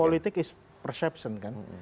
politik is perception kan